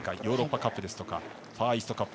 ヨーロッパカップですとかファーイースト